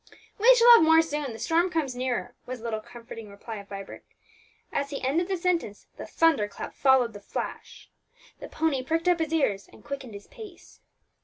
"We shall have more soon; the storm comes nearer," was the little comforting reply of Vibert. As he ended the sentence, the thunder clap followed the flash. The pony pricked up his ears, and quickened his pace.